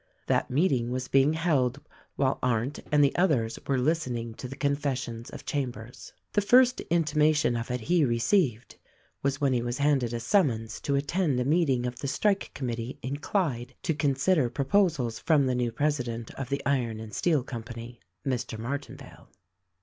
That meeting was being held while Arndt and the others were listening to the confession of Chambers. The first intimation of it he received was when he was handed a summons to attend a meeting of the strike com mittee in Clyde to consider proposals from the new presi dent of the Iron and Steel Company, Mr. Martinvale.